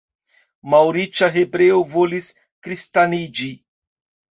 Malriĉa hebreo volis kristaniĝi.